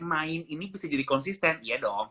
main ini bisa jadi konsisten iya dong